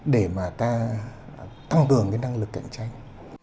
để mà ta tăng cường cái năng lực cạnh tranh